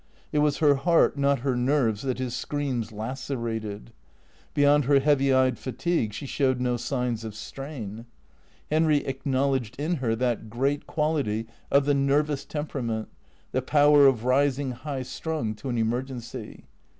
It was her heart, not her nerves, that his screams lacerated. Beyond her heavy eyed fatigue she showed no signs of strain. Henry THECEEATORS 405 acknowledged in her that great quality of the nervous tempera ment, the power of rising high strung to an emergency.